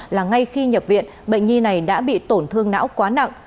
là ngay khi nhập viện bệnh nhi này đã bị tổn thương não quá nặng